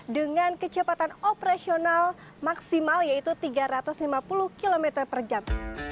dengan kecepatan operasional maksimal yaitu tiga ratus lima puluh km per jam